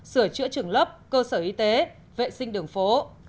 sửa chữa trường lớp cơ sở y tế vệ sinh đường phố